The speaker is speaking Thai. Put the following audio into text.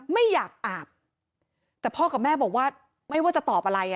ไม่อยากอาบแต่พ่อกับแม่บอกว่าไม่ว่าจะตอบอะไรอ่ะ